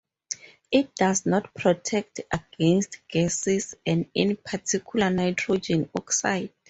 It does not protect against gases and in particular nitrogen oxide.